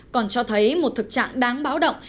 còn cho thấy một thực trạng đáng báo động